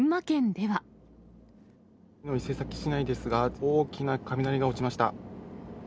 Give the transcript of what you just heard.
伊勢崎市内ですが、大きな雷が落ちました。